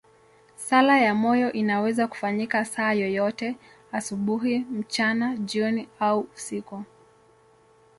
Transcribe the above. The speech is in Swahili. Sala ya moyo inaweza kufanyika saa yoyote, asubuhi, mchana, jioni au usiku.